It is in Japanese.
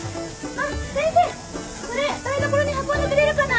あっ先生それ台所に運んでくれるかな。